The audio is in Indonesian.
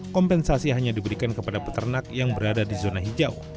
kompensasi hanya diberikan kepada peternak yang berada di zona hijau